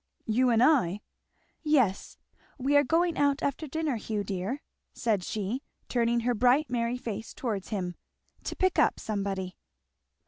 "You and I! " "Yes. We are going out after dinner, Hugh dear," said she turning her bright merry face towards him, "to pick up somebody."